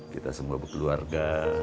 kita semua berkeluarga